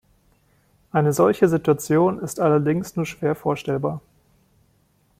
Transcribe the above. Eine solche Situation ist allerdings nur schwer vorstellbar.